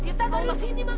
sita tadi di sini ma